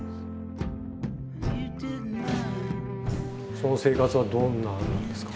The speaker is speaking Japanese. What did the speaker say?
その生活はどんななんですか？